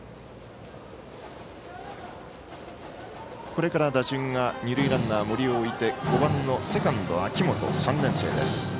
これから打順が二塁ランナー、森を置いて５番のセカンド秋元、３年生。